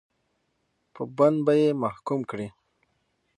په بند به یې محکوم کړي.